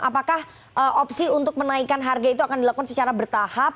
apakah opsi untuk menaikkan harga itu akan dilakukan secara bertahap